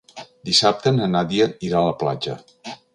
Dissabte na Nàdia irà a la platja.